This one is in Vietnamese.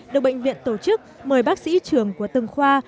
được bệnh viện tổ chức mời bác sĩ trường của từng khoa